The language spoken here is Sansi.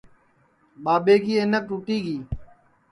ٻاٻے کی اینک ٹوٹی گی